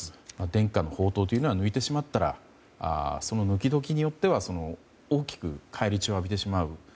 伝家の宝刀というのは抜いてしまったらその抜き時によっては大きく返り血を浴びてしまう。